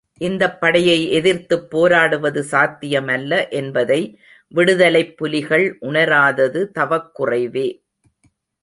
இந்தப் படையை எதிர்த்துப் போராடுவது சாத்தியமல்ல என்பதை விடுதலைப் புலிகள் உணராதது தவக்குறைவே.